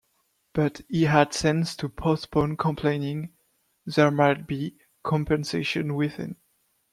But he had sense to postpone complaining: there might be compensation within.